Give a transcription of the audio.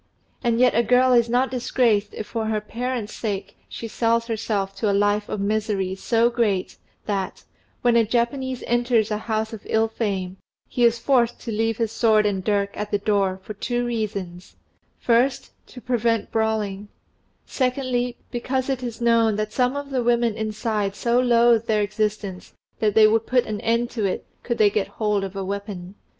And yet a girl is not disgraced if for her parents' sake she sells herself to a life of misery so great, that, when a Japanese enters a house of ill fame, he is forced to leave his sword and dirk at the door for two reasons first, to prevent brawling; secondly, because it is known that some of the women inside so loathe their existence that they would put an end to it, could they get hold of a weapon.